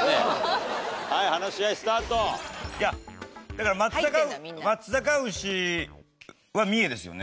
だから松阪牛は三重ですよね？